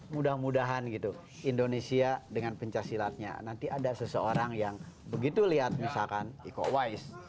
mudah mudahan gitu indonesia dengan pencaksilatnya nanti ada seseorang yang begitu lihat misalkan iko wise